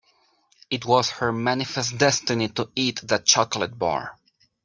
It was her manifest destiny to eat that chocolate bar.